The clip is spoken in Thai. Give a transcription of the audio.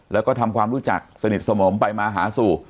แล้วก็ทำความรู้จักสนิทสนมไปมาหาสู่